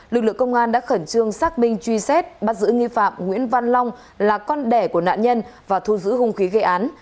lực lượng công an đã khẩn trương xác minh truy xét bắt giữ nghi phạm nguyễn văn long là con đẻ của nạn nhân và thu giữ hung khí gây án